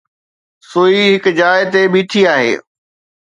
سوئي هڪ جاءِ تي بيٺي آهي.